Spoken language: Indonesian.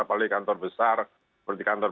apalagi kantor besar seperti kantor